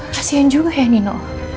kasian juga ya nino